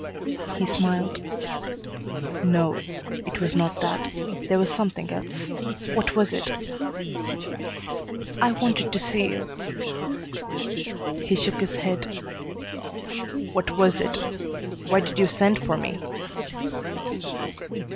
He smiled. "No; it was not that. There was something else. What was it?" "I wanted to see you." He shook his head. "What was it? Why did you send for me?"